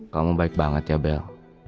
kamu baik banget ya bel